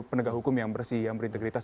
penegak hukum yang bersih yang berintegritas